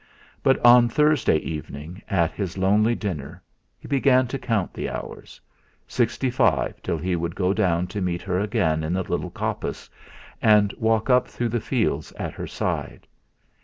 But on Thursday evening at his lonely dinner he began to count the hours; sixty five till he would go down to meet her again in the little coppice, and walk up through the fields at her side.